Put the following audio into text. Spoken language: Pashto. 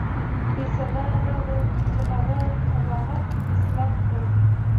فیصله راوړه چې دغه قباحت اصلاح کړم.